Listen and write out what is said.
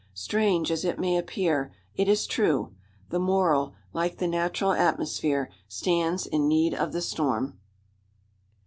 Strange as it may appear, it is true: the moral, like the natural atmosphere, stands in need of the storm.